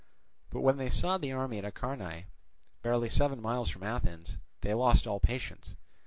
But when they saw the army at Acharnae, barely seven miles from Athens, they lost all patience.